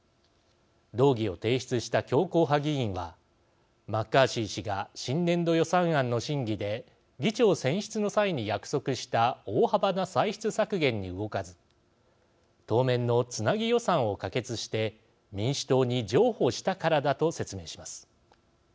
動議を提出した強硬派議員はマッカーシー氏が新年度予算案の審議で議長選出の際に約束した大幅な歳出削減に動かず当面のつなぎ予算を可決して民主党に譲歩したからだと説明します。